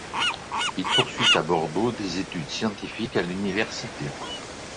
Il poursuit à Bordeaux des études scientifiques à l'université.